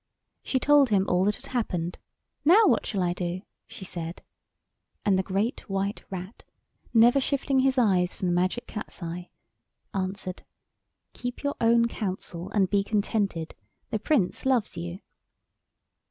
She told him all that had happened. "Now what shall I do?" she said. And the Great White Rat, never shifting his eyes from the Magic Cat's eye, answered— "Keep your own counsel and be contented. The Prince loves you."